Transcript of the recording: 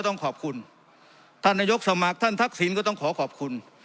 ต้องขอบคุณท่านนายกสมัครท่านทักษิณก็ต้องขอขอบคุณ